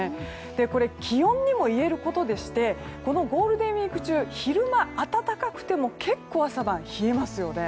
これ、気温にもいえることでしてこのゴールデンウィーク中昼間暖かくても結構朝は冷えますよね。